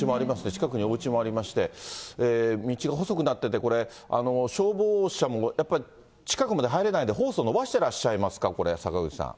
近くにおうちもありまして、道が細くなってて、消防車もやっぱり、近くまで入れないで、ホースを延ばしてらっしゃいますか、これ、坂口さん。